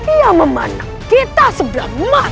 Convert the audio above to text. ia memandang kita sebelah rumah